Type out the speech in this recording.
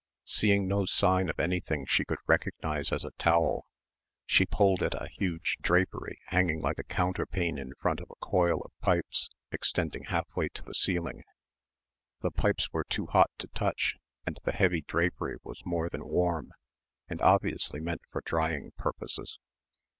Seeing no sign of anything she could recognise as a towel, she pulled at a huge drapery hanging like a counterpane in front of a coil of pipes extending half way to the ceiling. The pipes were too hot to touch and the heavy drapery was more than warm and obviously meant for drying purposes.